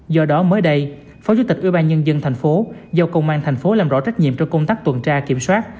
do đó mới đây phó chủ tịch ubnd tp hcm do công an tp hcm làm rõ trách nhiệm cho công tác tuần tra kiểm soát